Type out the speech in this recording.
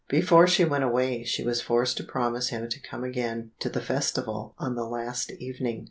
Before she went away she was forced to promise him to come again to the festival on the last evening.